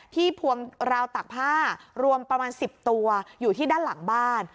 พวงราวตากผ้ารวมประมาณ๑๐ตัวอยู่ที่ด้านหลังบ้าน